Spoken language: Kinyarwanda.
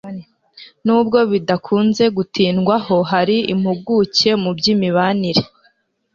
Nubwo bidakunze gutindwaho hari impuguke mu by'imibanire